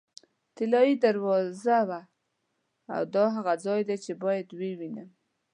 طلایي دروازه ده، دا هغه ځای دی چې باید یې ووینم.